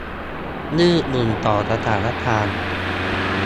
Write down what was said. ยืดหยุ่นต่อสถานการณ์